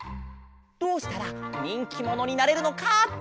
どうしたらにんきものになれるのかってはなし。